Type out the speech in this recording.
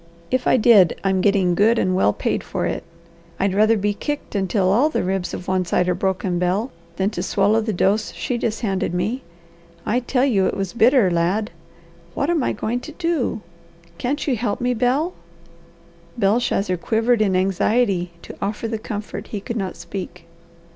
If I did, I'm getting good and well paid for it. I'd rather be kicked until all the ribs of one side are broken, Bel, than to swallow the dose she just handed me. I tell you it was bitter, lad! What am I going to do? Can't you help me, Bel?" Belshazzar quivered in anxiety to offer the comfort he could not speak.